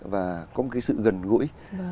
và có một cái sự gần gũi